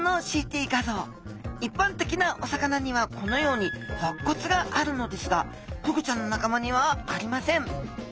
いっぱんてきなお魚にはこのようにろっ骨があるのですがフグちゃんのなかまにはありません